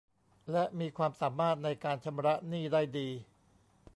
และมีความสามารถในการชำระหนี้ได้ดี